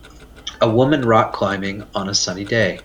A woman rock climbing on a sunny day.